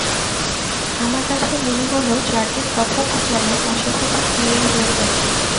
আমার কাছে মনে হল চারদিক হঠাৎ যেন অস্বাভাবিক নীর হয়ে গেছে।